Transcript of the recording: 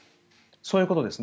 そういうことですね。